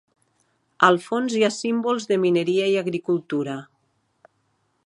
Al fons hi ha símbols de mineria i agricultura.